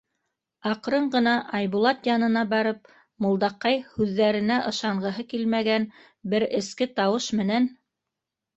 Аҡрын ғына Айбулат янына барып, Мулдаҡай һүҙҙәренә ышанғыһы килмәгән бер эске тауыш менән: